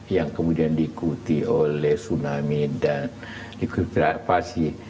yang kemudian diikuti oleh tsunami dan likuidrasi